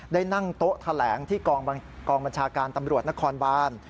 ได้นั่งโต๊ะแถลงที่กองบัญชาการตำรวจนครบาน